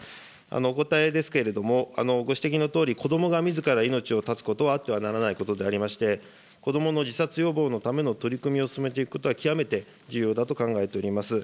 お答えですけれども、ご指摘のとおり子どもがみずから命を絶つことはあってはならないことでありまして、子どもの自殺予防のための取り組みを進めていくことは極めて重要だと考えております。